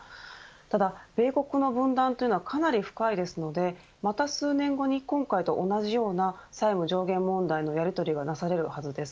ただ、米国の分断はかなり深いですのでまた数年後に今回と同じような債務上限問題のやりとりがなされるはずです。